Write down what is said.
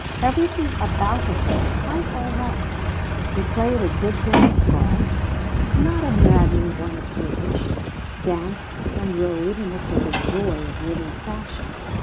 Everything about him was quite all right: he played a good game of golf, not a maddening one of bridge, danced and rode in a sort of joy of living fashion.